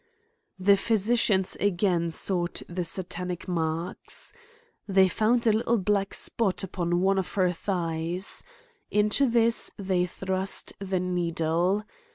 The physicians again sought the satanic marks^ They found a little black spot upon one of her thighs. Into this they thrust the needle.